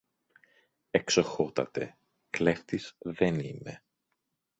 Εξοχότατε, κλέφτης δεν είμαι.